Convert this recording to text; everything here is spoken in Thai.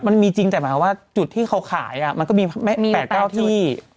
มันมีจริงแต่หมายความว่าจุดที่เขาขายมันก็มี๘๙ที่